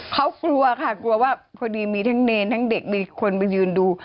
เขากลัวค่ะกลัวว่าพอดีมีทั้งเนรทั้งเด็กมีคนมายืนดู